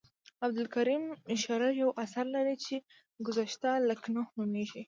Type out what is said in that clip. عبدالکریم شرر یو اثر لري چې ګذشته لکنهو نومیږي.